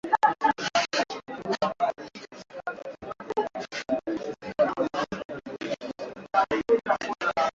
Iliyoanzishwa mwishoni mwa mwaka jana dhidi ya waasi wa kiislam mashariki mwa Kongo msemaji wa operesheni hiyo alisema